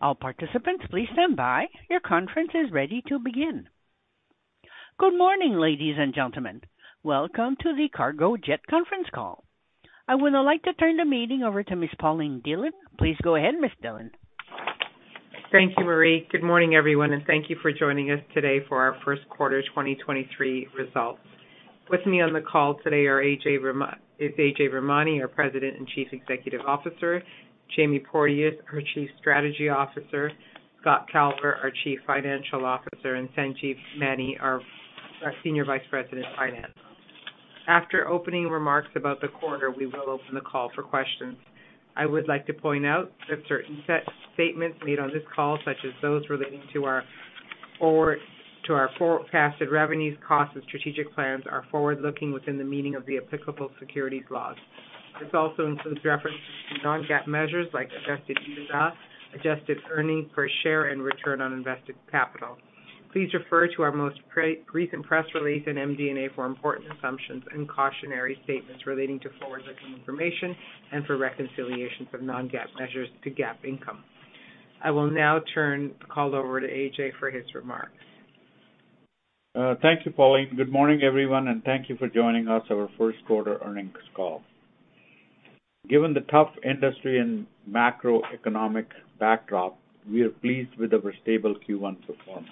All participants, please stand by. Your conference is ready to begin. Good morning, ladies and gentlemen. Welcome to the Cargojet conference call. I would now like to turn the meeting over to Ms. Pauline Dhillon. Please go ahead, Ms. Dhillon. Thank you, Marie. Good morning everyone. Thank you for joining us today for our Q1 2023 results. With me on the call today are Ajay Virmani, our President and Chief Executive Officer, Jamie Porteous, our Chief Strategy Officer, Scott Calver, our Chief Financial Officer, and Sanjeev Maini, our Senior Vice President, Finance. After opening remarks about the quarter, we will open the call for questions. I would like to point out that certain statements made on this call, such as those relating to our forecasted revenues, costs, and strategic plans, are forward-looking within the meaning of the applicable securities laws. This also includes references to non-GAAP measures like adjusted EBITDA, adjusted earnings per share, and return on invested capital. Please refer to our most recent press release in MD&A for important assumptions and cautionary statements relating to forward-looking information and for reconciliations of non-GAAP measures to GAAP income. I will now turn the call over to Ajay for his remarks. Thank you, Pauline. Good morning, everyone, thank you for joining us our Q1 earnings call. Given the tough industry and macroeconomic backdrop, we are pleased with our stable Q1 performance.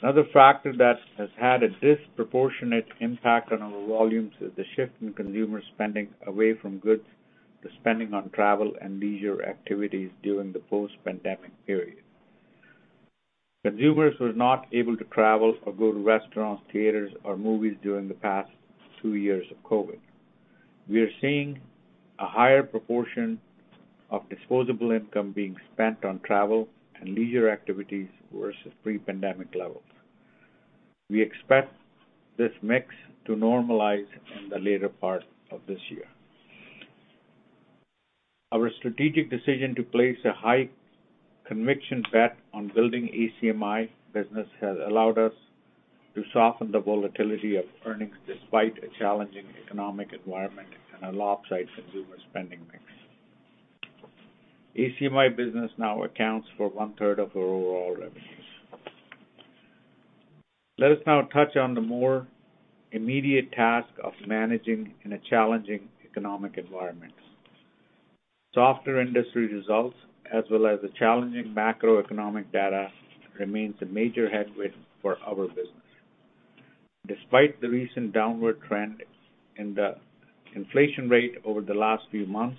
Another factor that has had a disproportionate impact on our volumes is the shift in consumer spending away from goods to spending on travel and leisure activities during the post-pandemic period. Consumers were not able to travel or go to restaurants, theaters, or movies during the past two years of COVID. We are seeing a higher proportion of disposable income being spent on travel and leisure activities versus pre-pandemic levels. We expect this mix to normalize in the later part of this year. Our strategic decision to place a high conviction bet on building ACMI business has allowed us to soften the volatility of earnings despite a challenging economic environment and a lopsided consumer spending mix. ACMI business now accounts for one-third of our overall revenues. Let us now touch on the more immediate task of managing in a challenging economic environment. Softer industry results as well as the challenging macroeconomic data remains a major headwind for our business. Despite the recent downward trend in the inflation rate over the last few months,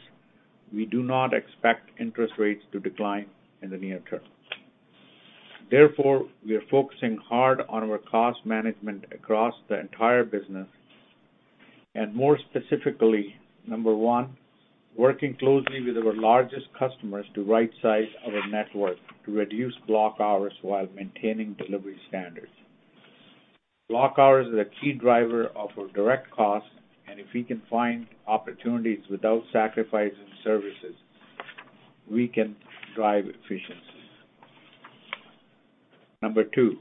we do not expect interest rates to decline in the near term. We are focusing hard on our cost management across the entire business and more specifically, 1. working closely with our largest customers to rightsize our network to reduce block hours while maintaining delivery standards. Block hours is a key driver of our direct costs, and if we can find opportunities without sacrificing services, we can drive efficiencies. 2.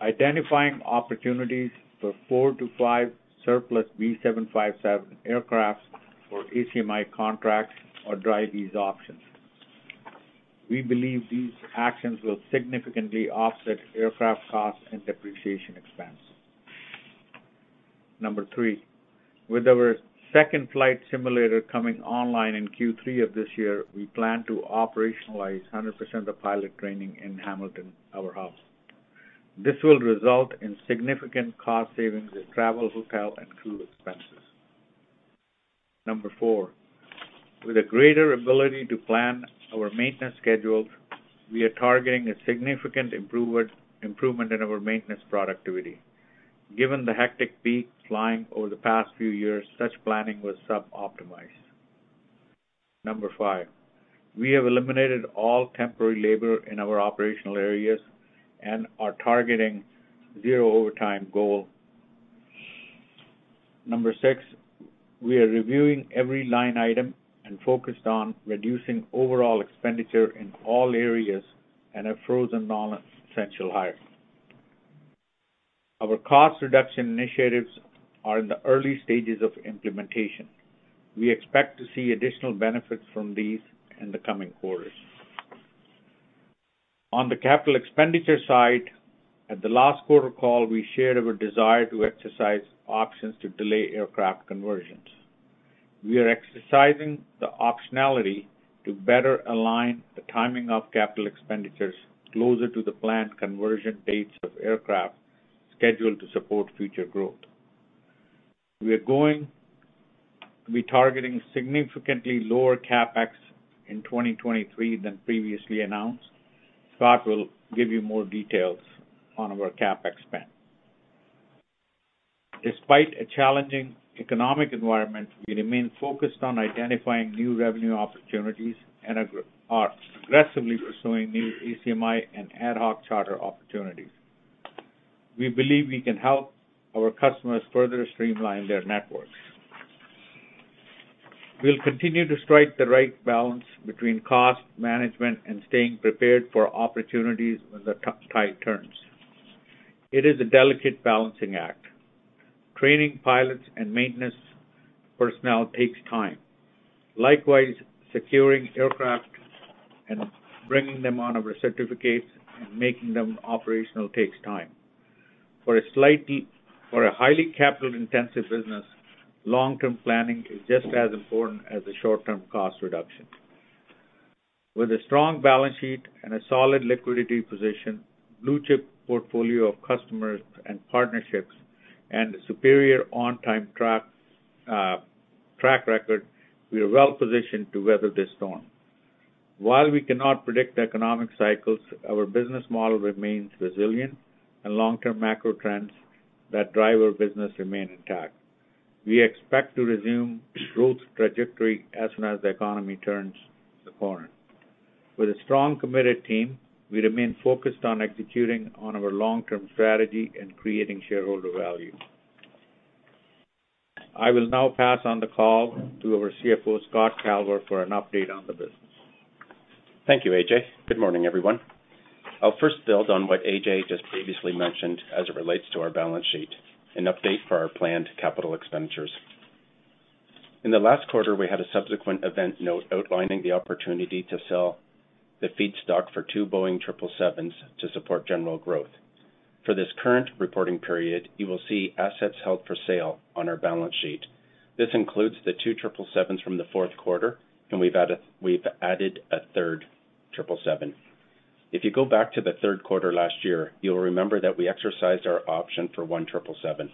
identifying opportunities for 4-5 surplus B757 aircraft for ACMI contracts or dry lease options. We believe these actions will significantly offset aircraft costs and depreciation expense. 3. With our second flight simulator coming online in Q3 of this year, we plan to operationalize 100% of pilot training in Hamilton, our house. This will result in significant cost savings in travel, hotel, and crew expenses. 4. With a greater ability to plan our maintenance schedules, we are targeting a significant improvement in our maintenance productivity. Given the hectic peak flying over the past few years, such planning was sub-optimized. 5. We have eliminated all temporary labor in our operational areas and are targeting zero overtime goal. 6. We are reviewing every line item and focused on reducing overall expenditure in all areas and have frozen non-essential hires. Our cost reduction initiatives are in the early stages of implementation. We expect to see additional benefits from these in the coming quarters. On the capital expenditure side, at the last quarter call, we shared our desire to exercise options to delay aircraft conversions. We are exercising the optionality to better align the timing of capital expenditures closer to the planned conversion dates of aircraft scheduled to support future growth. We are going to be targeting significantly lower CapEx in 2023 than previously announced. Scott will give you more details on our CapEx spend. Despite a challenging economic environment, we remain focused on identifying new revenue opportunities and are aggressively pursuing new ACMI and ad hoc charter opportunities. We believe we can help our customers further streamline their networks. We'll continue to strike the right balance between cost management and staying prepared for opportunities when the tide turns. It is a delicate balancing act. Training pilots and maintenance personnel takes time. Likewise, securing aircraft and bringing them on our certificates and making them operational takes time. For a highly capital-intensive business, long-term planning is just as important as the short-term cost reduction. With a strong balance sheet and a solid liquidity position, blue-chip portfolio of customers and partnerships, and a superior on-time track record, we are well-positioned to weather this storm. While we cannot predict the economic cycles, our business model remains resilient and long-term macro trends that drive our business remain intact. We expect to resume growth trajectory as soon as the economy turns the corner. With a strong, committed team, we remain focused on executing on our long-term strategy and creating shareholder value. I will now pass on the call to our CFO, Scott Calver, for an update on the business. Thank you, Ajay. Good morning, everyone. I'll first build on what AJ just previously mentioned as it relates to our balance sheet, an update for our planned capital expenditures. In the last quarter, we had a subsequent event note outlining the opportunity to sell the feedstock for 2 Boeing 777s to support general growth. For this current reporting period, you will see assets held for sale on our balance sheet. This includes the 2 777s from the Q4, and we've added a 3rd 777. If you go back to the Q3 last year, you'll remember that we exercised our option for 1 777.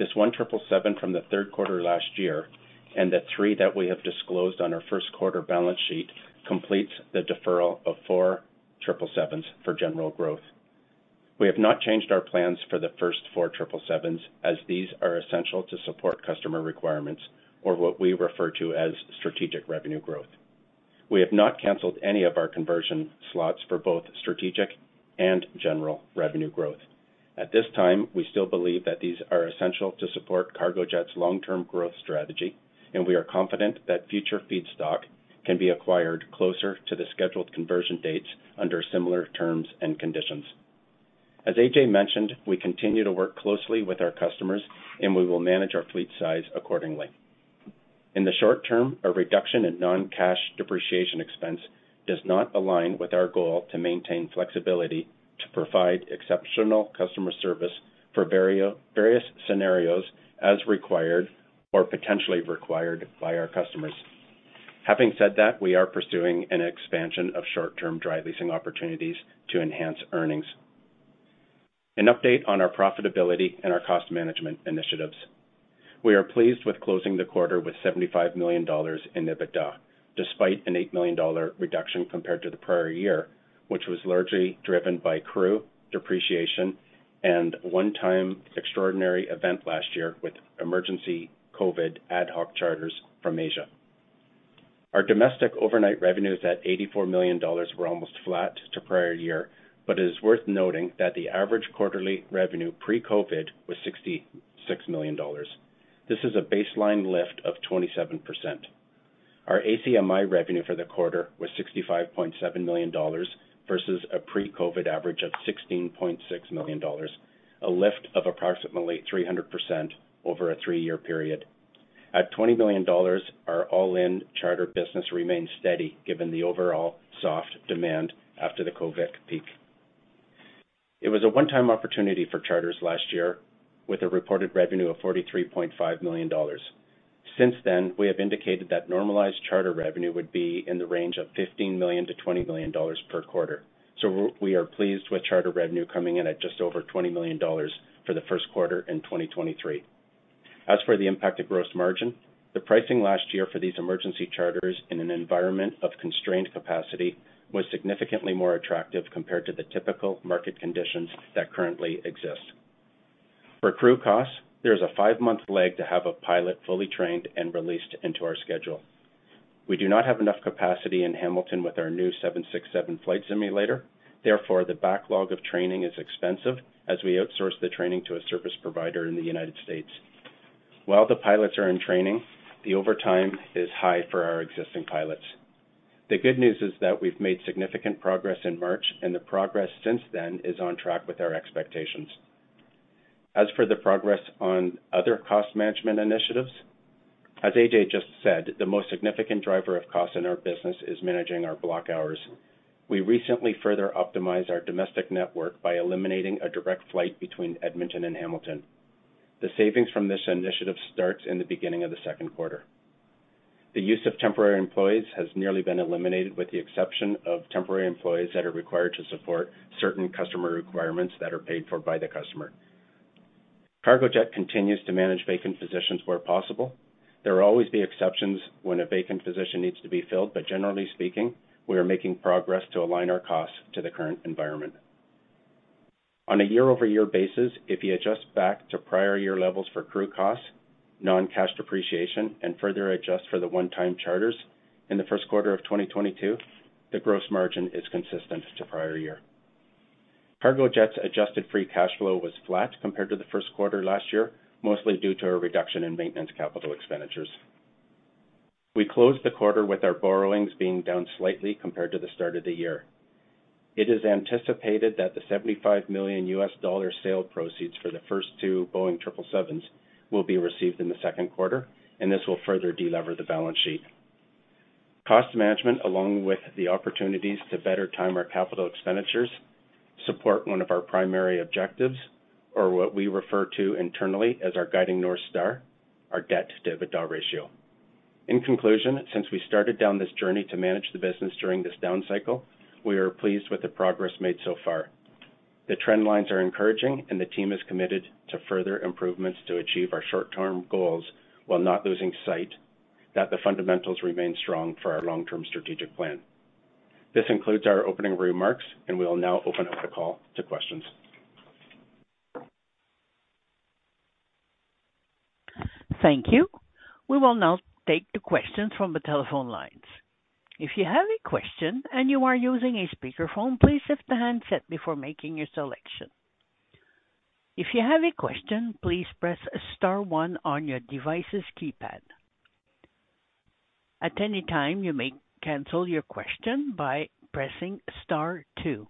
This 1 777 from the third quarter last year and the 3 that we have disclosed on our Q1 balance sheet completes the deferral of 4 777s for general growth. We have not changed our plans for the first four 777s as these are essential to support customer requirements or what we refer to as strategic revenue growth. We have not canceled any of our conversion slots for both strategic and general revenue growth. At this time, we still believe that these are essential to support Cargojet's long-term growth strategy, and we are confident that future feedstock can be acquired closer to the scheduled conversion dates under similar terms and conditions. As Ajay mentioned, we continue to work closely with our customers and we will manage our fleet size accordingly. In the short term, a reduction in non-cash depreciation expense does not align with our goal to maintain flexibility to provide exceptional customer service for various scenarios as required or potentially required by our customers. Having said that, we are pursuing an expansion of short-term dry leasing opportunities to enhance earnings. An update on our profitability and our cost management initiatives. We are pleased with closing the quarter with $75 million in EBITDA, despite an $8 million reduction compared to the prior year, which was largely driven by crew depreciation and one-time extraordinary event last year with emergency COVID ad hoc charters from Asia. Our domestic overnight revenues at $84 million were almost flat to prior year. It is worth noting that the average quarterly revenue pre-COVID was $66 million. This is a baseline lift of 27%. Our ACMI revenue for the quarter was $65.7 million versus a pre-COVID average of $16.6 million, a lift of approximately 300% over a three-year period. At $20 million, our all-in charter business remains steady given the overall soft demand after the COVID peak. It was a one-time opportunity for charters last year with a reported revenue of $43.5 million. We are pleased with charter revenue coming in at just over $20 million for the Q1 in 2023. As for the impact of gross margin, the pricing last year for these emergency charters in an environment of constrained capacity was significantly more attractive compared to the typical market conditions that currently exist. For crew costs, there is a five-month lag to have a pilot fully trained and released into our schedule. We do not have enough capacity in Hamilton with our new 767 flight simulator. The backlog of training is expensive as we outsource the training to a service provider in the United States. While the pilots are in training, the overtime is high for our existing pilots. The good news is that we've made significant progress in March, the progress since then is on track with our expectations. The progress on other cost management initiatives, as Ajay just said, the most significant driver of cost in our business is managing our block hours. We recently further optimized our domestic network by eliminating a direct flight between Edmonton and Hamilton. The savings from this initiative starts in the beginning of the Q2. The use of temporary employees has nearly been eliminated with the exception of temporary employees that are required to support certain customer requirements that are paid for by the customer. Cargojet continues to manage vacant positions where possible. There will always be exceptions when a vacant position needs to be filled, but generally speaking, we are making progress to align our costs to the current environment. On a year-over-year basis, if you adjust back to prior year levels for crew costs, non-cash depreciation, and further adjust for the one-time charters in the Q1 of 2022, the gross margin is consistent to prior year. Cargojet's Adjusted Free Cash Flow was flat compared to the Q1 last year, mostly due to a reduction in maintenance capital expenditures. We closed the quarter with our borrowings being down slightly compared to the start of the year. It is anticipated that the $75 million US dollar sale proceeds for the first two Boeing triple sevens will be received in the Q2. This will further deliver the balance sheet. Cost management, along with the opportunities to better time our capital expenditures, support one of our primary objectives or what we refer to internally as our guiding North Star, our debt to EBITDA ratio. In conclusion, since we started down this journey to manage the business during this down cycle, we are pleased with the progress made so far. The trend lines are encouraging. The team is committed to further improvements to achieve our short-term goals while not losing sight that the fundamentals remain strong for our long-term strategic plan. This concludes our opening remarks, and we will now open up the call to questions. Thank you. We will now take the questions from the telephone lines. If you have a question and you are using a speakerphone, please lift the handset before making your selection. If you have a question, please press star one on your device's keypad. At any time, you may cancel your question by pressing star two.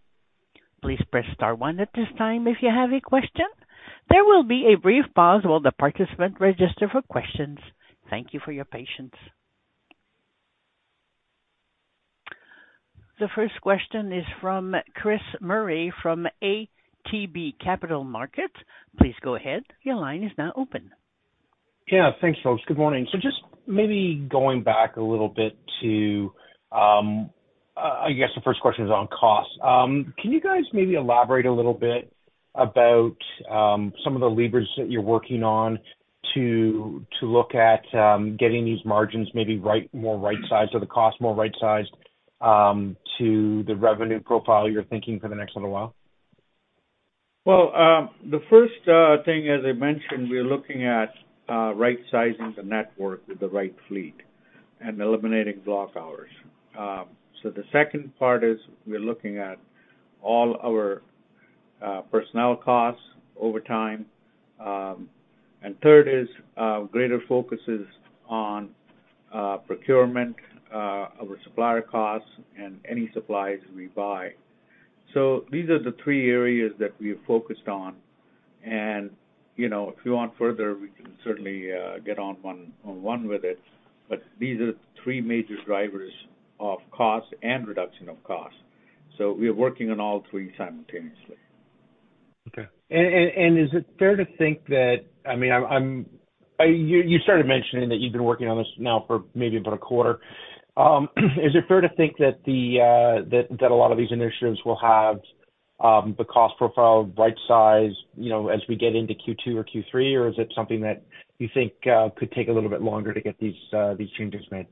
Please press star one at this time if you have a question. There will be a brief pause while the participant register for questions. Thank you for your patience. The first question is from Chris Murray from ATB Capital Markets. Please go ahead. Your line is now open. Yeah. Thanks, folks. Good morning. Just maybe going back a little bit to, I guess the first question is on cost. Can you guys maybe elaborate a little bit about some of the levers that you're working on to look at getting these margins maybe right, more right-sized or the cost more right-sized, to the revenue profile you're thinking for the next little? Well, as I mentioned, we are looking at right sizing the network with the right fleet and eliminating block hours. The second part is we're looking at all our personnel costs over time. And third is greater focus on procurement, our supplier costs and any supplies we buy. These are the three areas that we focused on and, you know, if you want further, we can certainly get on one-on-one with it. But these are three major drivers of cost and reduction of cost. We are working on all three simultaneously. Okay. Is it fair to think that, I mean, you started mentioning that you've been working on this now for maybe about a quarter. Is it fair to think that a lot of these initiatives will have the cost profile right size, you know, as we get into Q2 or Q3, or is it something that you think could take a little bit longer to get these changes made?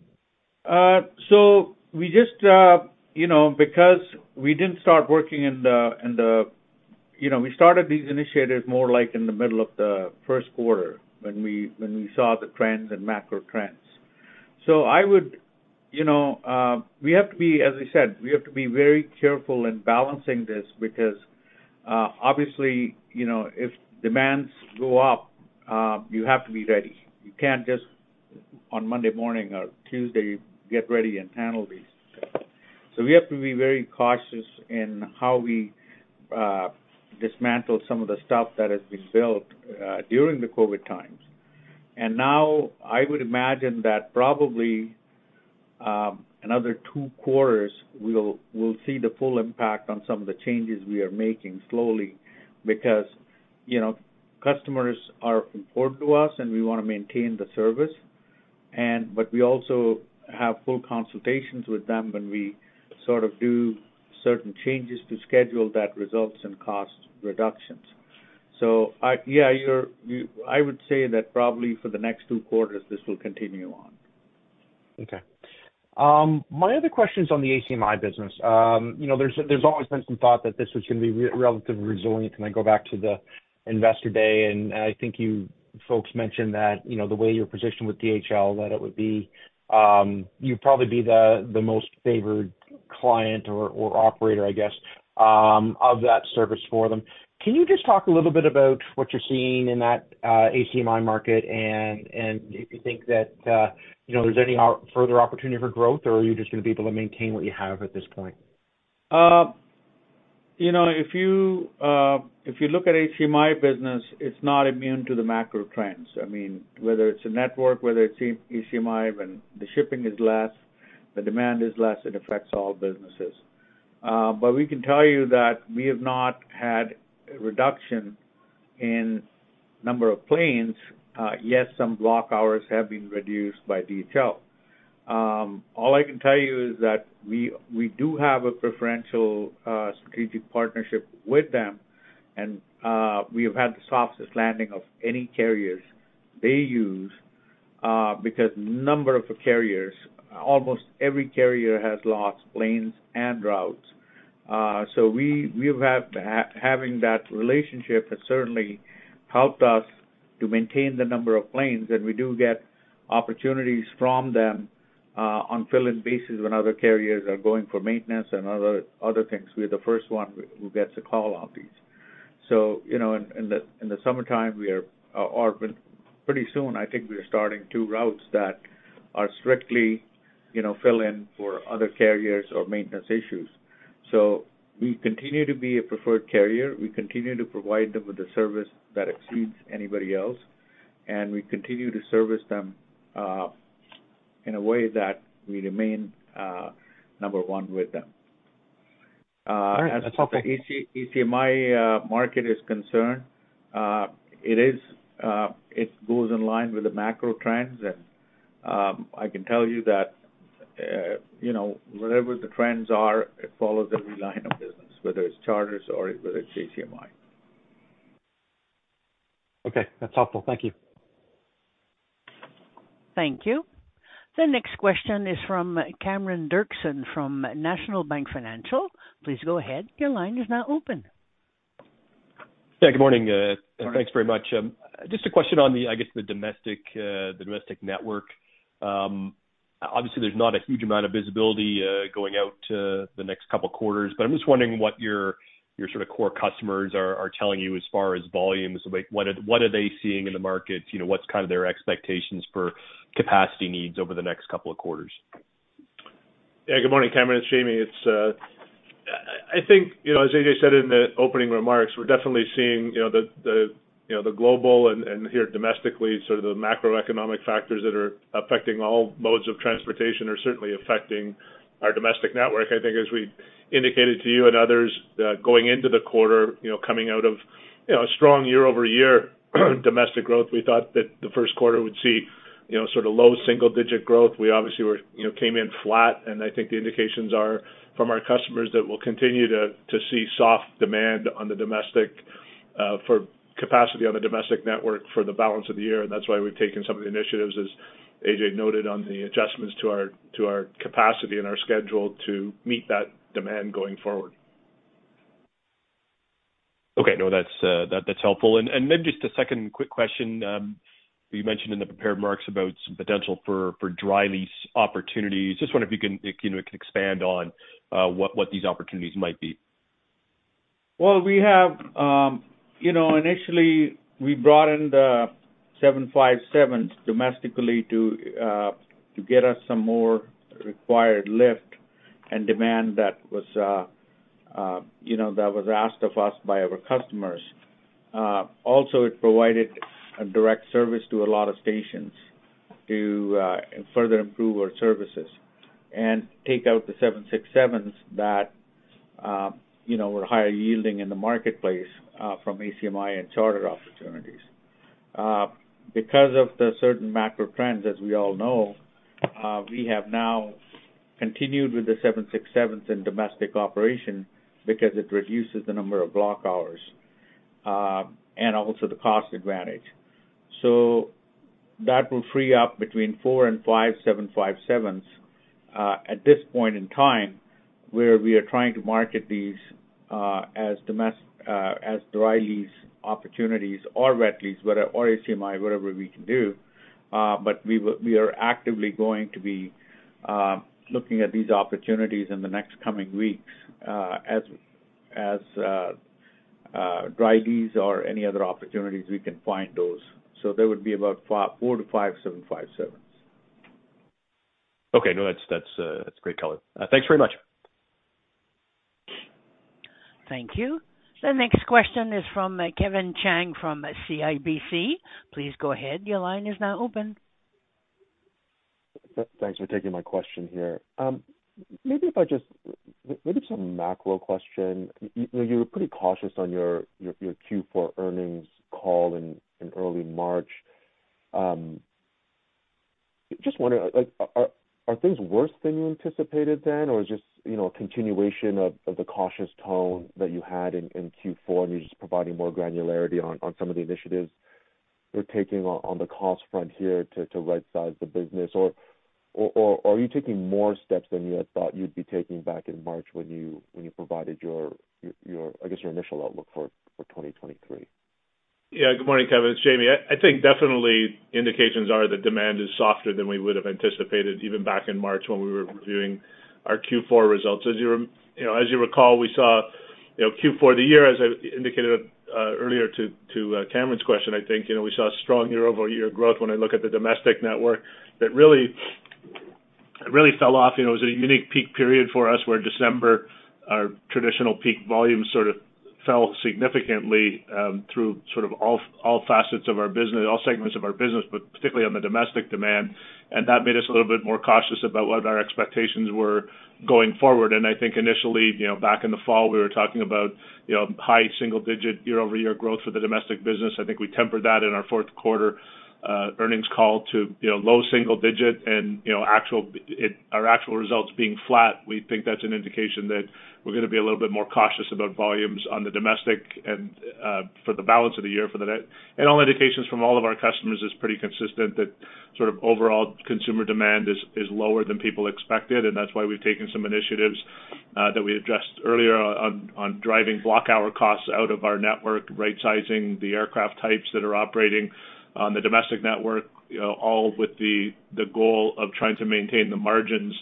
We just, you know, because we didn't start working. You know, we started these initiatives more like in the middle of the Q1 when we, when we saw the trends and macro trends. I would, you know, we have to be, as I said, we have to be very careful in balancing this because, obviously, you know, if demands go up, you have to be ready. You can't just on Monday morning or Tuesday get ready and handle these. We have to be very cautious in how we dismantle some of the stuff that has been built during the COVID times. Now I would imagine that probably, another two quarters we'll see the full impact on some of the changes we are making slowly because, you know, customers are important to us, and we wanna maintain the service. We also have full consultations with them when we sort of do certain changes to schedule that results in cost reductions. I, yeah, I would say that probably for the next 2 quarters this will continue on. Okay. My other question is on the ACMI business. You know, there's always been some thought that this was gonna be relatively resilient. I go back to the investor day, and I think you folks mentioned that, you know, the way you're positioned with DHL, that it would be, you'd probably be the most favored client or operator, I guess, of that service for them. Can you just talk a little bit about what you're seeing in that ACMI market and if you think that, you know, there's any further opportunity for growth, or are you just gonna be able to maintain what you have at this point? you know, if you look at ACMI business, it's not immune to the macro trends. I mean, whether it's a network, whether it's ACMI, when the shipping is less, the demand is less, it affects all businesses. We can tell you that we have not had a reduction in number of planes. Yes, some block hours have been reduced by DHL. All I can tell you is that we do have a preferential, strategic partnership with them, and we have had the softest landing of any carriers they use, because number of carriers, almost every carrier has lost planes and routes. Having that relationship has certainly helped us to maintain the number of planes, and we do get opportunities from them on fill-in basis when other carriers are going for maintenance and other things. We're the first one who gets a call on these. You know, in the, in the summertime we are, or pretty soon, I think we are starting two routes that are strictly, you know, fill in for other carriers or maintenance issues. We continue to be a preferred carrier. We continue to provide them with a service that exceeds anybody else, and we continue to service them in a way that we remain number one with them. As far as the ACMI market is concerned, it is, it goes in line with the macro trends. I can tell you that, you know, whatever the trends are, it follows every line of business, whether it's charters or whether it's ACMI. Okay. That's helpful. Thank you. Thank you. The next question is from Cameron Doerksen from National Bank Financial. Please go ahead. Your line is now open. Yeah, good morning. Thanks very much. Just a question on the, I guess the domestic, the domestic network. Obviously there's not a huge amount of visibility, going out to the next couple quarters, but I'm just wondering what your sort of core customers are telling you as far as volumes. Like what are they seeing in the markets? You know, what's kind of their expectations for capacity needs over the next couple of quarters? Yeah. Good morning, Cameron. It's Jamie. It's, I think, you know, as AJ said in the opening remarks, we're definitely seeing, you know, the, you know, the global and here domestically, sort of the macroeconomic factors that are affecting all modes of transportation are certainly affecting our domestic network. I think as we indicated to you and others, going into the quarter, you know, coming out of, you know, a strong year-over-year domestic growth, we thought that the Q1 would see, you know, sort of low single digit growth. We obviously, you know, came in flat. I think the indications are from our customers that we'll continue to see soft demand on the domestic for capacity on the domestic network for the balance of the year. That's why we've taken some of the initiatives, as Ajay noted, on the adjustments to our capacity and our schedule to meet that demand going forward. Okay. No, that's that's helpful. Just a second quick question. You mentioned in the prepared remarks about some potential for dry lease opportunities. Just wonder if you can, you know, can expand on what these opportunities might be. We have, you know, initially we brought in the 757s domestically to get us some more required lift and demand that was, you know, that was asked of us by our customers. Also it provided a direct service to a lot of stations to further improve our services and take out the 767s that, you know, were higher yielding in the marketplace from ACMI and charter opportunities. Because of the certain macro trends, as we all know, we have now continued with the 767s in domestic operation because it reduces the number of block hours and also the cost advantage. That will free up between 4 and 5, 757s at this point in time, where we are trying to market these as dry lease opportunities or wet lease or ACMI, whatever we can do. We are actively going to be looking at these opportunities in the next coming weeks as dry lease or any other opportunities we can find those. There would be about 4 to 5, 757s. Okay. No, that's great color. Thanks very much. Thank you. The next question is from Kevin Chiang, from CIBC. Please go ahead. Your line is now open. Thanks for taking my question here. Maybe some macro question. You know, you were pretty cautious on your Q4 earnings call in early March. Just wondering, like, are things worse than you anticipated then? Or just, you know, a continuation of the cautious tone that you had in Q4 and you're just providing more granularity on some of the initiatives you're taking on the cost front here to rightsize the business? Or are you taking more steps than you had thought you'd be taking back in March when you provided your, I guess, your initial outlook for 2023? Yeah. Good morning, Kevin. It's Jamie. I think definitely indications are that demand is softer than we would have anticipated even back in March when we were reviewing our Q4 results. As you know, as you recall, we saw, you know, Q4 of the year, as I indicated earlier to Cameron's question. I think, you know, we saw strong year-over-year growth when I look at the domestic network that really fell off. You know, it was a unique peak period for us, where December, our traditional peak volume sort of fell significantly, through sort of all facets of our business, all segments of our business, but particularly on the domestic demand. That made us a little bit more cautious about what our expectations were going forward. I think initially, you know, back in the fall, we were talking about, you know, high single-digit year-over-year growth for the domestic business. I think we tempered that in our Q4 earnings call to, you know, low single-digit and, you know, our actual results being flat. We think that's an indication that we're gonna be a little bit more cautious about volumes on the domestic and for the balance of the year for the net. All indications from all of our customers is pretty consistent that sort of overall consumer demand is lower than people expected, and that's why we've taken some initiatives that we addressed earlier on driving block hour costs out of our network, rightsizing the aircraft types that are operating on the domestic network, you know, all with the goal of trying to maintain the margins.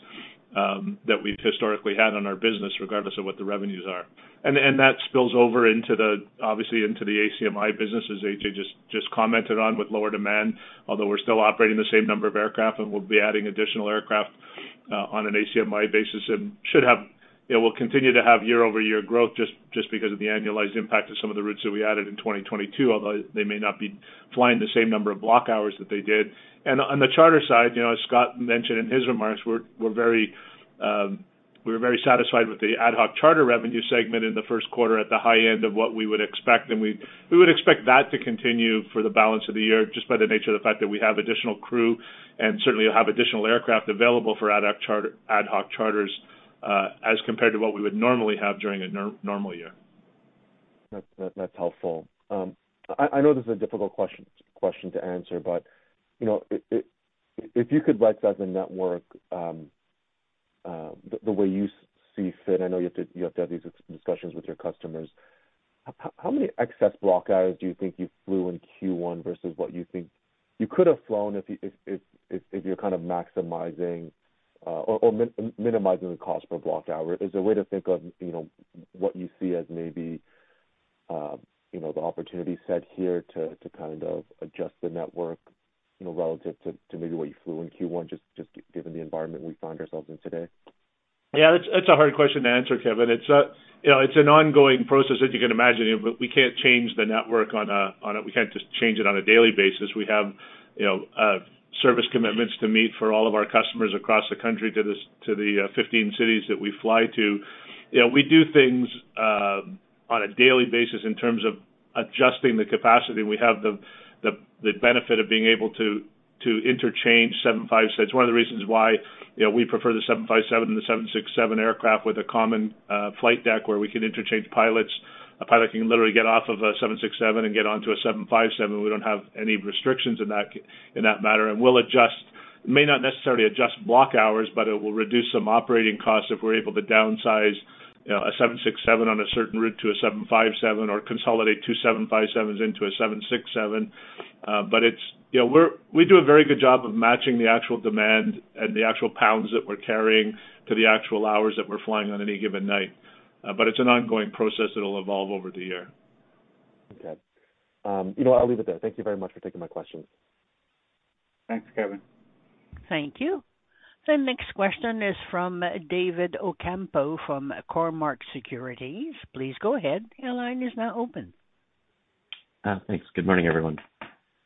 That we've historically had on our business, regardless of what the revenues are. That spills over obviously into the ACMI business, as AJ just commented on with lower demand. Although we're still operating the same number of aircraft, and we'll be adding additional aircraft on an ACMI basis, and should have... You know, we'll continue to have year-over-year growth just because of the annualized impact of some of the routes that we added in 2022. Although they may not be flying the same number of block hours that they did. On the charter side, you know, as Scott mentioned in his remarks, we're very satisfied with the ad hoc charter revenue segment in the first quarter at the high end of what we would expect, and we would expect that to continue for the balance of the year just by the nature of the fact that we have additional crew and certainly have additional aircraft available for ad hoc charter, ad hoc charters, as compared to what we would normally have during a normal year. That's helpful. I know this is a difficult question to answer, but, you know, if you could flex out the network, the way you see fit, I know you have to, you have to have these discussions with your customers. How many excess block hours do you think you flew in Q1 versus what you think you could have flown if you're kind of maximizing or minimizing the cost per block hour? Is there a way to think of, you know, what you see as maybe, you know, the opportunity set here to kind of adjust the network, you know, relative to maybe what you flew in Q1, just given the environment we find ourselves in today? Yeah, that's a hard question to answer, Kevin. You know, it's an ongoing process, as you can imagine. We can't change the network. We can't just change it on a daily basis. We have, you know, service commitments to meet for all of our customers across the country to the 15 cities that we fly to. You know, we do things on a daily basis in terms of adjusting the capacity. We have the benefit of being able to interchange 757s. One of the reasons why, you know, we prefer the 757 and the 767 aircraft with a common flight deck where we can interchange pilots. A pilot can literally get off of a 767 and get onto a 757. We don't have any restrictions in that matter. We'll adjust, may not necessarily adjust block hours, but it will reduce some operating costs if we're able to downsize, you know, a 767 on a certain route to a 757 or consolidate 2 757s into a 767. You know, we do a very good job of matching the actual demand and the actual pounds that we're carrying to the actual hours that we're flying on any given night. It's an ongoing process that'll evolve over the year. Okay. you know, I'll leave it there. Thank you very much for taking my questions. Thanks, Kevin. Thank you. The next question is from David Ocampo from Cormark Securities. Please go ahead. Your line is now open. Thanks. Good morning, everyone.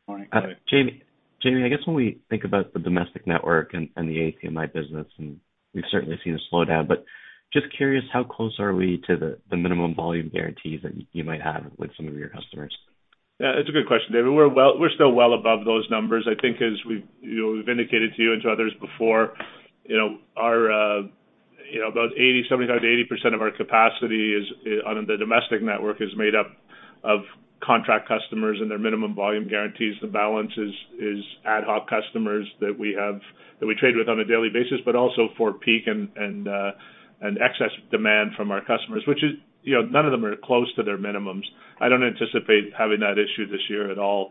Morning, David. Jamie, I guess when we think about the domestic network and the ACMI business, and we've certainly seen a slowdown, but just curious, how close are we to the minimum volume guarantees that you might have with some of your customers? Yeah, it's a good question, David. We're still well above those numbers. I think as we've, you know, we've indicated to you and to others before, you know, about 80, 75%-80% of our capacity is, on the domestic network is made up of contract customers and their minimum volume guarantees. The balance is ad hoc customers that we trade with on a daily basis, but also for peak and excess demand from our customers, which is, you know, none of them are close to their minimums. I don't anticipate having that issue this year at all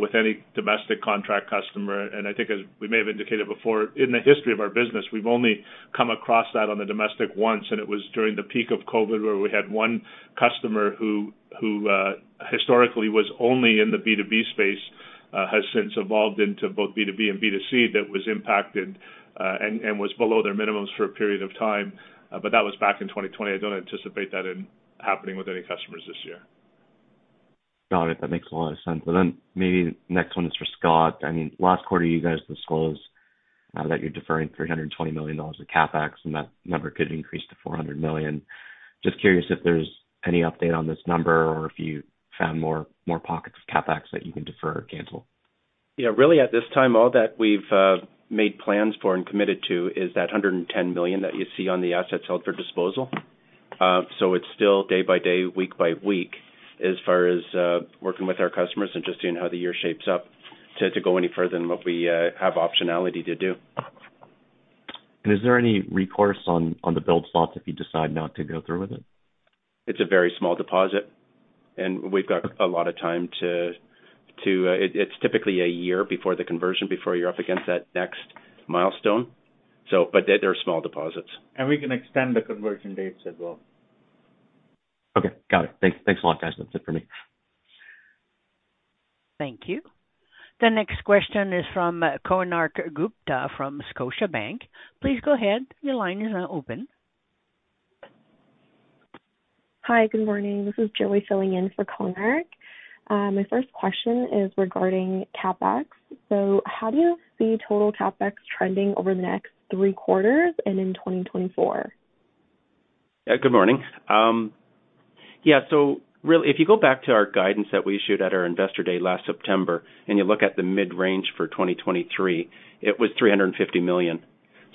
with any domestic contract customer. I think as we may have indicated before, in the history of our business, we've only come across that on the domestic once, and it was during the peak of COVID, where we had one customer who, historically was only in the B2B space, has since evolved into both B2B and B2C that was impacted, and was below their minimums for a period of time. But that was back in 2020. I don't anticipate that happening with any customers this year. Got it. That makes a lot of sense. Maybe next one is for Scott. I mean, last quarter you guys disclosed that you're deferring $320 million of CapEx, and that number could increase to $400 million. Just curious if there's any update on this number or if you found more pockets of CapEx that you can defer or cancel. Yeah. Really, at this time, all that we've made plans for and committed to is that 110 million that you see on the assets held for sale. It's still day by day, week by week as far as working with our customers and just seeing how the year shapes up to go any further than what we have optionality to do. Is there any recourse on the build slots if you decide not to go through with it? It's a very small deposit. We've got a lot of time to. It's typically a year before the conversion, before you're up against that next milestone. They're small deposits. We can extend the conversion dates as well. Okay. Got it. Thanks. Thanks a lot, guys. That's it for me. Thank you. The next question is from Konark Gupta from Scotiabank. Please go ahead. Your line is now open. Hi. Good morning. This is Joey filling in for Konark. My first question is regarding CapEx. How do you see total CapEx trending over the next three quarters and in 2024? Yeah. Good morning. If you go back to our guidance that we issued at our Investor Day last September, and you look at the mid-range for 2023, it was 350 million.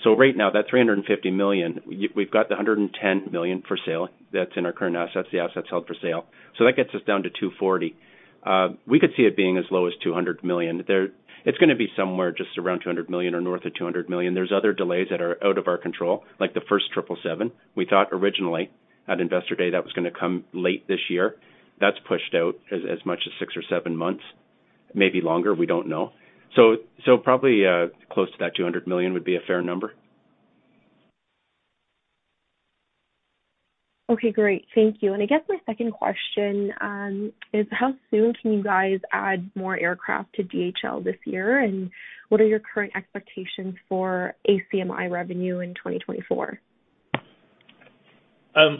Right now, that 350 million, we've got the 110 million for sale. That's in our current assets, the assets held for sale. That gets us down to 240 million. We could see it being as low as 200 million. It's gonna be somewhere just around 200 million or north of 200 million. There's other delays that are out of our control, like the first 777. We thought originally at Investor Day that was gonna come late this year. That's pushed out as much as six or seven months. Maybe longer, we don't know. Probably, close to that 200 million would be a fair number. Okay, great. Thank you. I guess my second question, is how soon can you guys add more aircraft to DHL this year? What are your current expectations for ACMI revenue in 2024? Good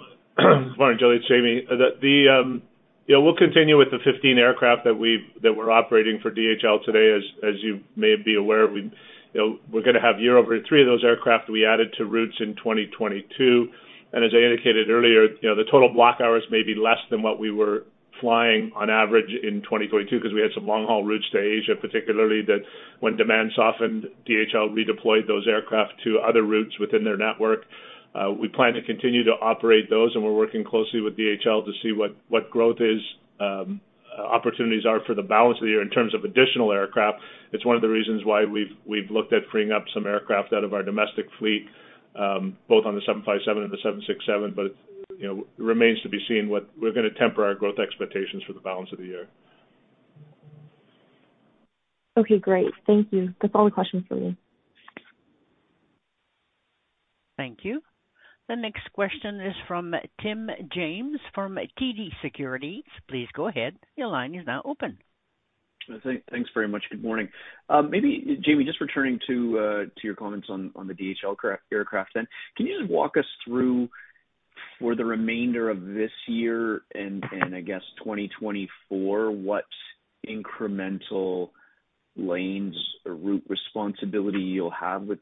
morning, Joey, it's Jamie. The, yeah, we'll continue with the 15 aircraft that we're operating for DHL today, as you may be aware. We, you know, we're gonna have year-over-year 3 of those aircraft we added to routes in 2022. As I indicated earlier, you know, the total block hours may be less than what we were flying on average in 2022 'cause we had some long haul routes to Asia, particularly that when demand softened, DHL redeployed those aircraft to other routes within their network. We plan to continue to operate those, and we're working closely with DHL to see what growth is, opportunities are for the balance of the year in terms of additional aircraft. It's one of the reasons why we've looked at freeing up some aircraft out of our domestic fleet, both on the 757 and the 767, but, you know, it remains to be seen what. We're going to temper our growth expectations for the balance of the year. Okay, great. Thank you. That's all the questions for me. Thank you. The next question is from Tim James from TD Securities. Please go ahead. Your line is now open. Thanks very much. Good morning. Maybe Jamie, just returning to your comments on the DHL aircraft then. Can you just walk us through for the remainder of this year and I guess 2024, what incremental lanes or route responsibility you'll have with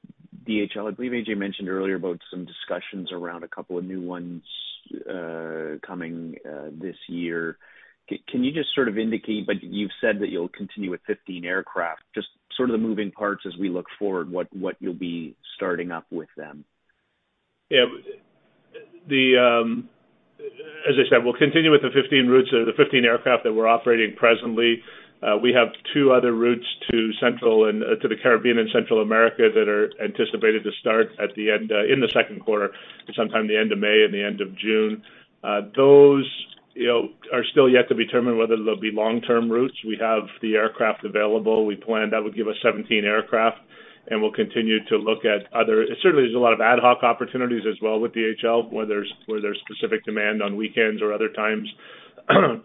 DHL? I believe AJ mentioned earlier about some discussions around a couple of new ones coming this year. Can you just sort of indicate, like you've said that you'll continue with 15 aircraft, just sort of the moving parts as we look forward, what you'll be starting up with them? As I said, we'll continue with the 15 routes or the 15 aircraft that we're operating presently. We have 2 other routes to the Caribbean and Central America that are anticipated to start at the end in the second quarter, sometime the end of May or the end of June. Those, you know, are still yet to be determined whether they'll be long-term routes. We have the aircraft available. We plan that would give us 17 aircraft, and we'll continue to look at other. There's a lot of ad hoc opportunities as well with DHL where there's specific demand on weekends or other times,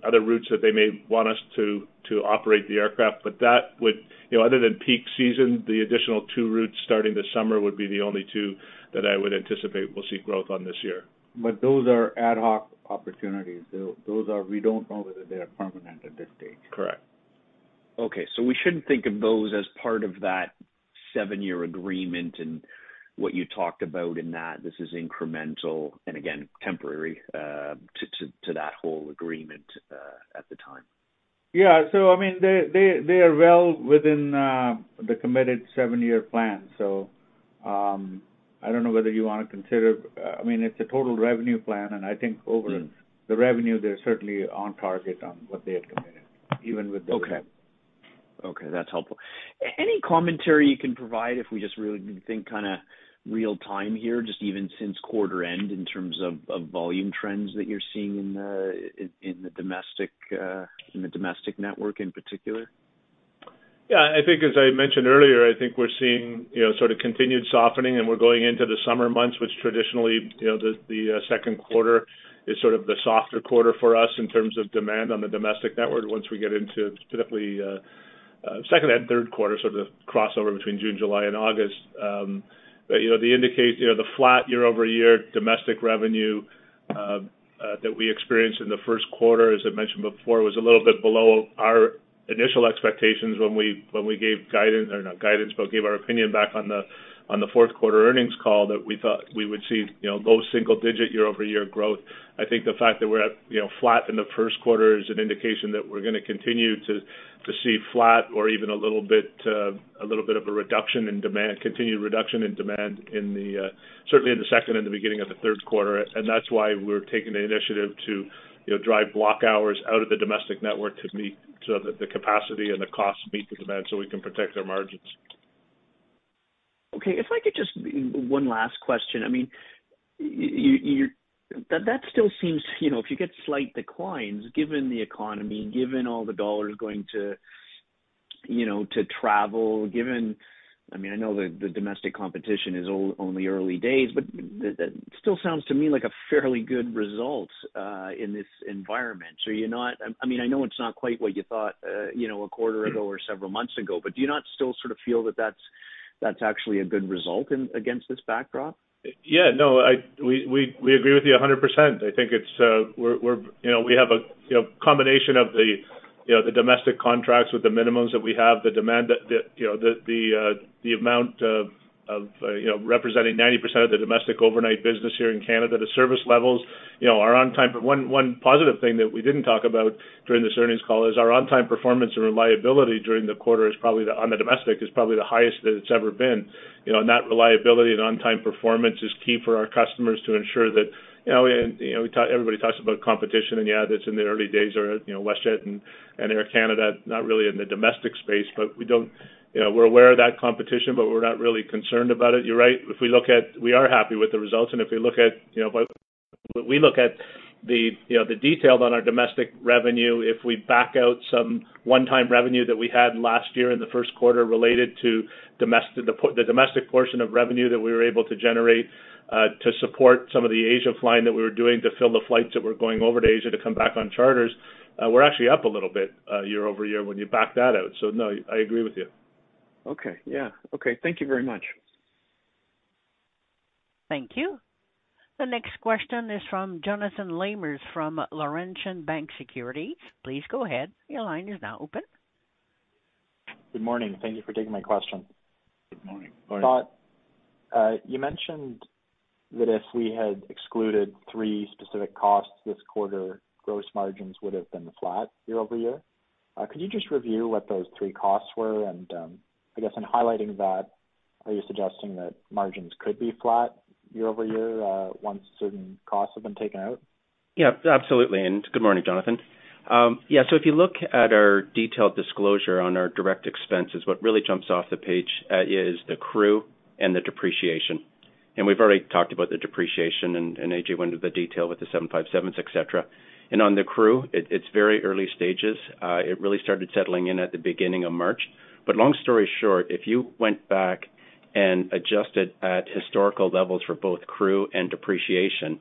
other routes that they may want us to operate the aircraft. That would, you know, other than peak season, the additional two routes starting this summer would be the only two that I would anticipate we'll see growth on this year. Those are ad hoc opportunities. We don't know whether they are permanent at this stage. Correct. Okay. We shouldn't think of those as part of that 7-year agreement and what you talked about in that. This is incremental and again temporary, to that whole agreement at the time. Yeah. I mean, they are well within the committed 7-year plan. I don't know whether you wanna. I mean, it's a total revenue plan, and I think. Mm. the revenue, they're certainly on target on what they have committed even with. Okay. Okay, that's helpful. Any commentary you can provide if we just really think kinda real-time here, just even since quarter end in terms of volume trends that you're seeing in the domestic network in particular? I think as I mentioned earlier, I think we're seeing, you know, sort of continued softening, we're going into the summer months, which traditionally, you know, the Q2 is sort of the softer quarter for us in terms of demand on the domestic network once we get into typically, second and Q3, sort of the crossover between June, July, and August. You know, the flat year-over-year domestic revenue that we experienced in the Q1, as I mentioned before, was a little bit below our initial expectations when we, when we gave guidance, or not guidance, but gave our opinion back on the, on the Q4 earnings call that we thought we would see, you know, low single digit year-over-year growth. I think the fact that we're at, you know, flat in the Q1 is an indication that we're gonna continue to see flat or even a little bit of a reduction in demand, continued reduction in demand in the certainly in the second and the beginning of the Q3. That's why we're taking the initiative to, you know, drive block hours out of the domestic network so that the capacity and the cost meet the demand, so we can protect our margins. Okay. If I could just one last question. I mean, That still seems, you know, if you get slight declines, given the economy, given all the dollars going to, you know, to travel, given... I mean, I know the domestic competition is early days, but that still sounds to me like a fairly good result in this environment. So you're not... I mean, I know it's not quite what you thought, you know, a quarter ago or several months ago, but do you not still sort of feel that that's actually a good result against this backdrop? Yeah. No. I We agree with you 100%. I think it's You know, we have a, you know, combination of the, you know, the domestic contracts with the minimums that we have, the demand that, you know, the amount of, you know, representing 90% of the domestic overnight business here in Canada, the service levels, you know, our on-time. One positive thing that we didn't talk about during this earnings call is our on-time performance and reliability during the quarter is probably the highest that it's ever been. You know, that reliability and on-time performance is key for our customers to ensure that, you know. We, you know, everybody talks about competition and yeah, that's in the early days are, you know, WestJet and Air Canada, not really in the domestic space, but we don't. You know, we're aware of that competition, but we're not really concerned about it. You're right. If we look at. We are happy with the results, and if we look at, you know, by. We look at the, you know, the detail on our domestic revenue. If we back out some one-time revenue that we had last year in the Q1 related to the domestic portion of revenue that we were able to generate to support some of the Asia flying that we were doing to fill the flights that were going over to Asia to come back on charters, we're actually up a little bit year-over-year when you back that out. No, I agree with you. Okay. Yeah. Okay. Thank you very much. Thank you. The next question is from Jonathan Lamers, from Laurentian Bank Securities. Please go ahead. Your line is now open. Good morning. Thank you for taking my question. Good morning. Scott, you mentioned that if we had excluded three specific costs this quarter, gross margins would have been flat year-over-year. Could you just review what those three costs were? I guess in highlighting that, are you suggesting that margins could be flat year-over-year, once certain costs have been taken out? Yeah, absolutely. Good morning, Jonathan. Yeah, if you look at our detailed disclosure on our direct expenses, what really jumps off the page, is the crew and the depreciation. We've already talked about the depreciation, and AJ went into the detail with the 757s, et cetera. On the crew, it's very early stages. It really started settling in at the beginning of March. Long story short, if you went back and adjusted at historical levels for both crew and depreciation,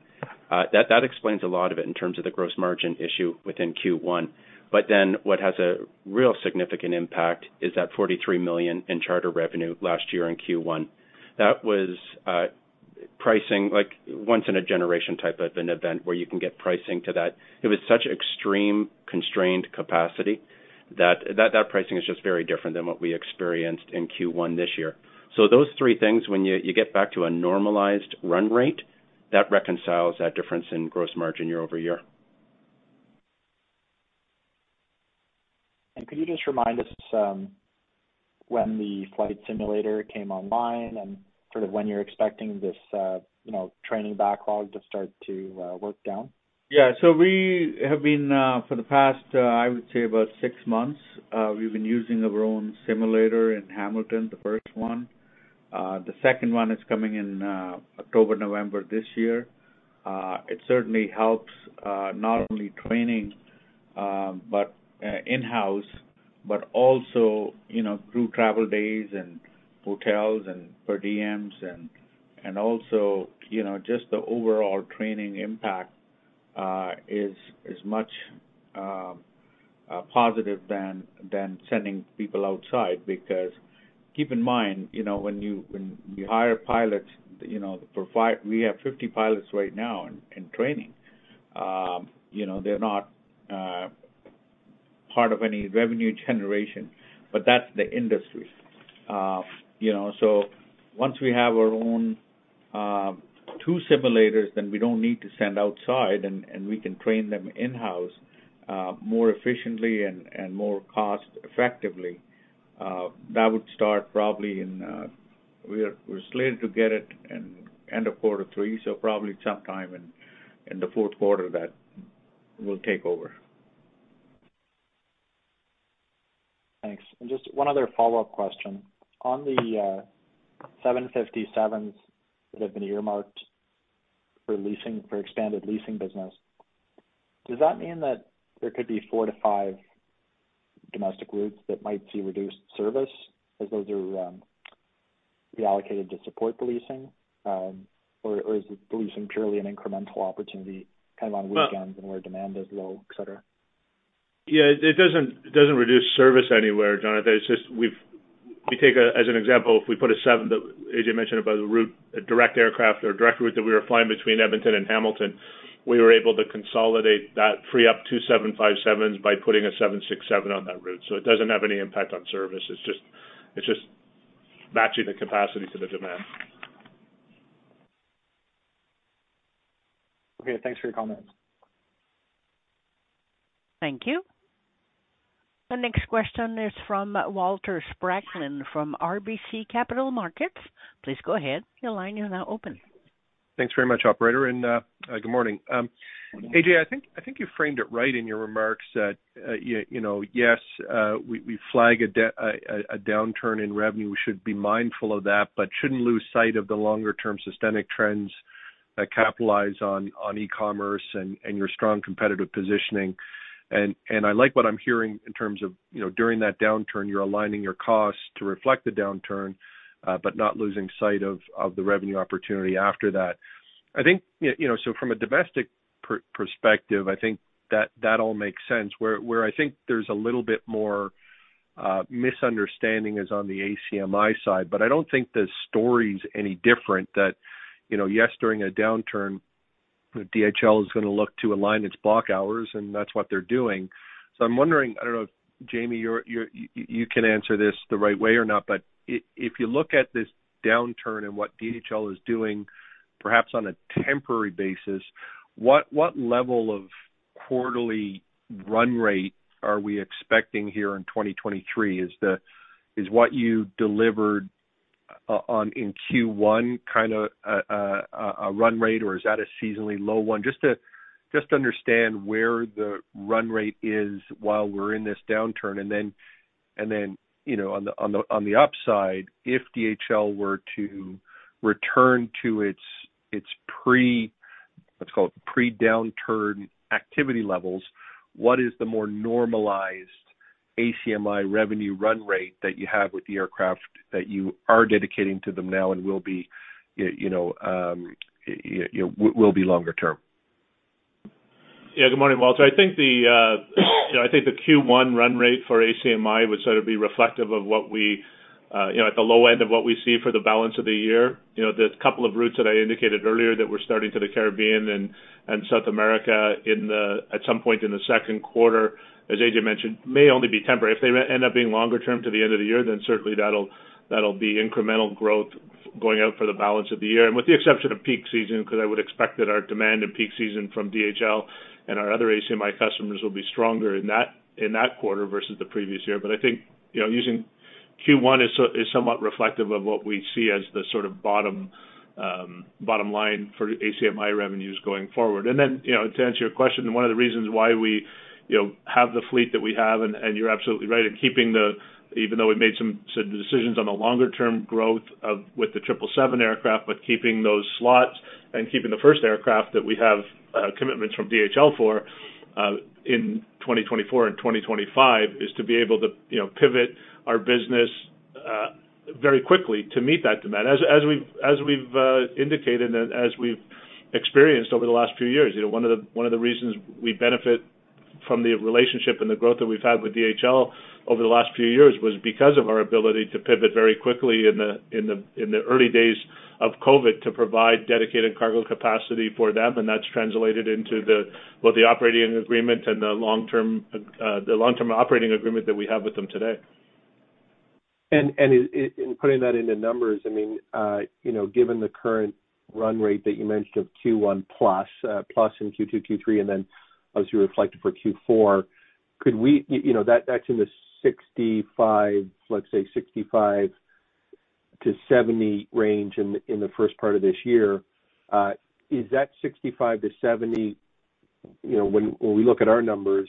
that explains a lot of it in terms of the gross margin issue within Q1. What has a real significant impact is that 43 million in charter revenue last year in Q1. That was pricing like once in a generation type of an event where you can get pricing to that. It was such extreme constrained capacity that pricing is just very different than what we experienced in Q1 this year. Those three things, when you get back to a normalized run rate, that reconciles that difference in gross margin year-over-year. Could you just remind us, when the flight simulator came online and sort of when you're expecting this, you know, training backlog to start to work down? Yeah. We have been for the past, I would say about six months, we've been using our own simulator in Hamilton, the first one. The second one is coming in October, November this year. It certainly helps not only training, but in-house, but also, you know, crew travel days and hotels and per diems and also, you know, just the overall training impact is much positive than sending people outside. Keep in mind, you know, when you, when you hire pilots, you know, We have 50 pilots right now in training. You know, they're not part of any revenue generation, but that's the industry. You know, once we have our own, two simulators, then we don't need to send outside and we can train them in-house, more efficiently and more cost effectively. That would start probably in we're slated to get it in end of quarter three, so probably sometime in the Q4 that will take over. Thanks. Just one other follow-up question. On the 757s that have been earmarked for leasing, for expanded leasing business, does that mean that there could be four to five domestic routes that might see reduced service as those are reallocated to support the leasing? Or is the leasing purely an incremental opportunity kind of on weekends and where demand is low, et cetera? Yeah, it doesn't, it doesn't reduce service anywhere, Jonathan. It's just we take, as an example, if we put a seven that Ajay mentioned about the route, a direct aircraft or direct route that we were flying between Edmonton and Hamilton, we were able to consolidate that, free up 2 757s by putting a 767 on that route. It doesn't have any impact on service. It's just, it's just matching the capacity to the demand. Okay. Thanks for your comments. Thank you. The next question is from Walter Spracklin from RBC Capital Markets. Please go ahead. Your line is now open. Thanks very much, operator. Good morning. Ajay, I think you framed it right in your remarks that, you know, yes, we flag a downturn in revenue. We should be mindful of that, but shouldn't lose sight of the longer term systemic trends that capitalize on e-commerce and your strong competitive positioning. I like what I'm hearing in terms of, you know, during that downturn, you're aligning your costs to reflect the downturn, but not losing sight of the revenue opportunity after that. I think, you know, from a domestic perspective, I think that all makes sense. Where I think there's a little bit more misunderstanding is on the ACMI side. I don't think the story's any different that, you know, yes, during a downturn, DHL is gonna look to align its block hours, and that's what they're doing. I'm wondering, I don't know if, Jamie, you can answer this the right way or not, but if you look at this downturn and what DHL is doing, perhaps on a temporary basis, what level of quarterly run rate are we expecting here in 2023? Is what you delivered in Q1 kinda a run rate, or is that a seasonally low one? Just to understand where the run rate is while we're in this downturn. Then, you know, on the upside, if DHL were to return to its pre- let's call it pre-downturn activity levels, what is the more normalized ACMI revenue run rate that you have with the aircraft that you are dedicating to them now and will be, you know, longer term? Good morning, Walter. I think the, you know, I think the Q1 run rate for ACMI would sort of be reflective of what we, you know, at the low end of what we see for the balance of the year. You know, there's a couple of routes that I indicated earlier that we're starting to the Caribbean and South America at some point in the Q2, as Ajay mentioned, may only be temporary. They end up being longer term to the end of the year, certainly that'll be incremental growth going out for the balance of the year. With the exception of peak season, because I would expect that our demand in peak season from DHL and our other ACMI customers will be stronger in that quarter versus the previous year. I think, you know, using Q1 is somewhat reflective of what we see as the sort of bottom line for ACMI revenues going forward. To answer your question, one of the reasons why we, you know, have the fleet that we have, and you're absolutely right in keeping the even though we made some decisions on the longer term growth with the triple seven aircraft, but keeping those slots and keeping the first aircraft that we have, commitments from DHL for in 2024 and 2025 is to be able to, you know, pivot our business very quickly to meet that demand. As we've indicated and as we've experienced over the last few years, you know, one of the reasons we benefit from the relationship and the growth that we've had with DHL over the last few years was because of our ability to pivot very quickly in the early days of COVID to provide dedicated cargo capacity for them, and that's translated into both the operating agreement and the long-term operating agreement that we have with them today. In putting that into numbers, I mean, you know, given the current run rate that you mentioned of Q1 plus in Q2, Q3, and then as you reflected for Q4, You know, that's in the 65, let's say 65-70 range in the first part of this year. Is that 65-70, you know, when we look at our numbers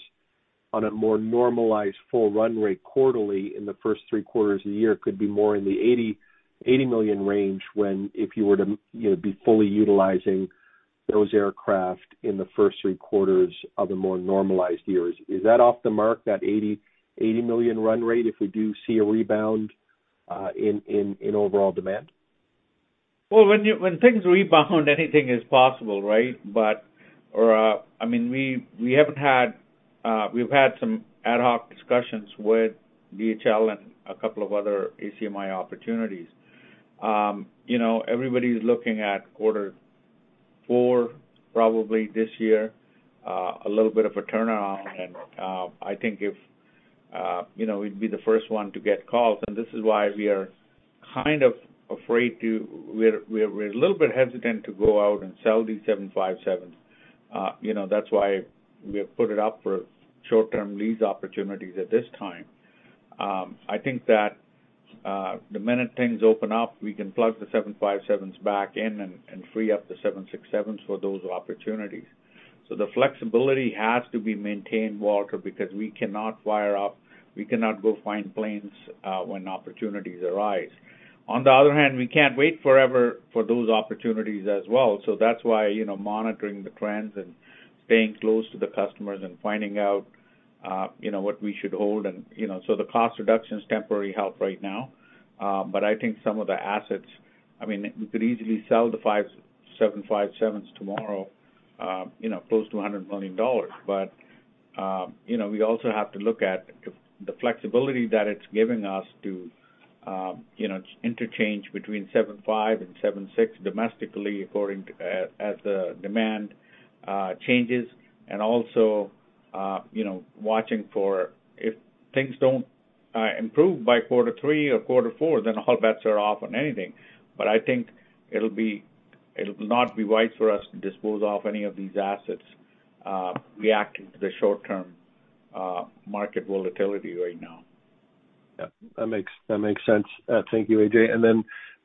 on a more normalized full run rate quarterly in the first three quarters of the year, could be more in the 80 million range when if you were to, you know, be fully utilizing those aircraft in the first three quarters of a more normalized year? Is that off the mark, that 80 million run rate if we do see a rebound, in overall demand? Well, when things rebound, anything is possible, right? I mean, we've had some ad hoc discussions with DHL and a couple of other ACMI opportunities. You know, everybody's looking at quarter four probably this year, a little bit of a turnaround. I think if, you know, we'd be the first one to get calls, and this is why we are a little bit hesitant to go out and sell these 757s. You know, that's why we have put it up for short-term lease opportunities at this time. I think that the minute things open up, we can plug the 757s back in and free up the 767s for those opportunities. The flexibility has to be maintained, Walter, because we cannot fire up, we cannot go find planes when opportunities arise. On the other hand, we can't wait forever for those opportunities as well. That's why, you know, monitoring the trends and staying close to the customers and finding out, you know, what we should hold. You know, the cost reduction is temporary help right now. I think some of the assets, I mean, we could easily sell the 757s tomorrow, you know, close to 100 million dollars. You know, we also have to look at the flexibility that it's giving us to, you know, interchange between 757 and 767 domestically according to as the demand changes. Also, you know, watching for if things don't improve by quarter three or quarter four, then all bets are off on anything. I think it'll not be wise for us to dispose off any of these assets, reacting to the short-term market volatility right now. Yeah, that makes sense. Thank you, Ajay.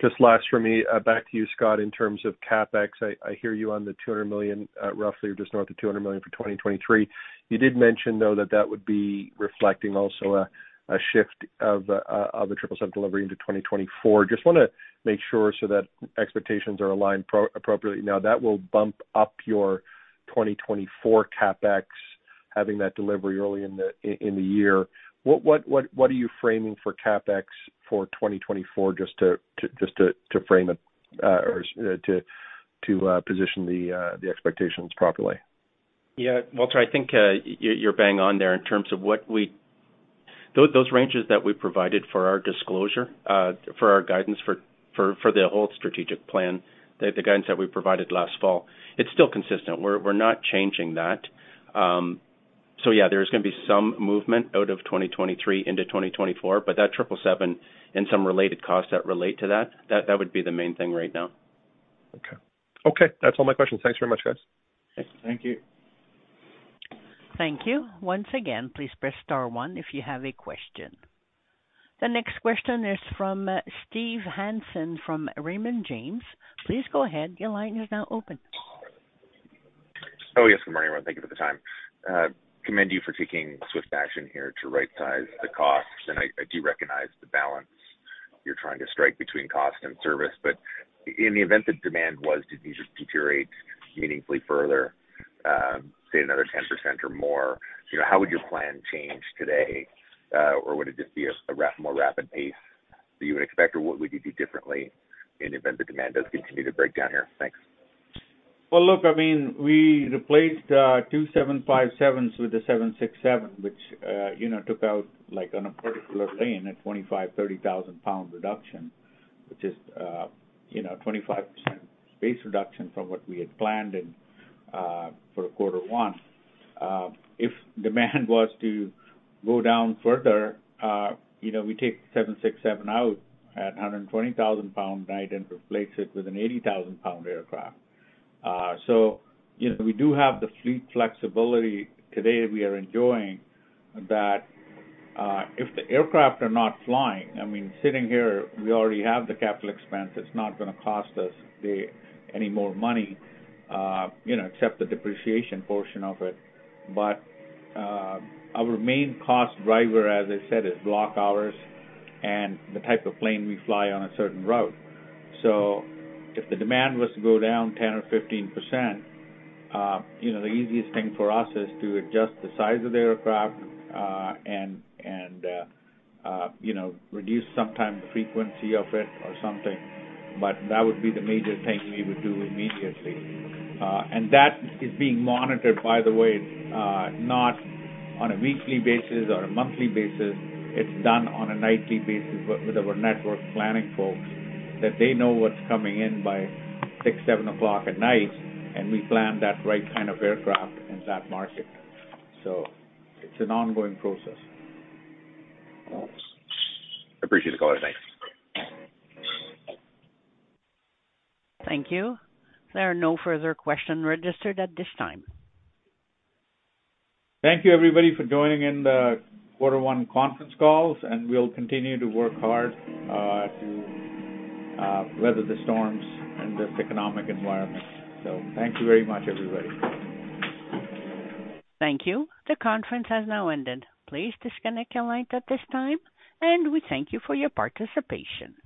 Just last for me, back to you, Scott, in terms of CapEx, I hear you on the 200 million, roughly or just north of 200 million for 2023. You did mention, though, that that would be reflecting also a shift of the 777 delivery into 2024. Just wanna make sure so that expectations are aligned appropriately. That will bump up your 2024 CapEx, having that delivery early in the year. What are you framing for CapEx for 2024 just to frame it or to position the expectations properly? Yeah. Walter, I think, you're bang on there in terms of those ranges that we provided for our disclosure, for our guidance for the whole strategic plan, the guidance that we provided last fall, it's still consistent. We're not changing that. Yeah, there's gonna be some movement out of 2023 into 2024, but that 777 and some related costs that relate to that would be the main thing right now. Okay. That's all my questions. Thanks very much, guys. Thank you. Thank you. Once again, please press star one if you have a question. The next question is from Steve Hansen from Raymond James. Please go ahead. Your line is now open. Oh, yes. Good morning, everyone. Thank you for the time. Commend you for taking swift action here to right-size the costs. I do recognize the balance you're trying to strike between cost and service. In the event that demand was to just deteriorate meaningfully further, say another 10% or more, you know, how would your plan change today? Would it just be a more rapid pace that you would expect? What would you do differently in event the demand does continue to break down here? Thanks. Well, look, I mean, we replaced 2 757s with a 767, which, you know, took out, like, on a particular lane a 25,000-30,000-pound reduction, which is, you know, 25% space reduction from what we had planned for Q1. If demand was to go down further, you know, we take a 767 out at 120,000 pound night and replace it with an 80,000-pound aircraft. You know, we do have the fleet flexibility today we are enjoying that. If the aircraft are not flying, I mean, sitting here, we already have the CapEx. It's not going to cost us any more money, you know, except the depreciation portion of it. Our main cost driver, as I said, is block hours and the type of plane we fly on a certain route. If the demand was to go down 10% or 15%, you know, the easiest thing for us is to adjust the size of the aircraft, and, you know, reduce sometimes the frequency of it or something. That would be the major thing we would do immediately. And that is being monitored, by the way, not on a weekly basis or a monthly basis. It's done on a nightly basis with our network planning folks that they know what's coming in by 6:00, 7:00 o'clock at night, and we plan that right kind of aircraft in that market. It's an ongoing process. I appreciate the call. Thanks. Thank you. There are no further question registered at this time. Thank you, everybody, for joining in the quarter one conference calls, and we'll continue to work hard, to, weather the storms in this economic environment. Thank you very much, everybody. Thank you. The conference has now ended. Please disconnect your line at this time, and we thank you for your participation.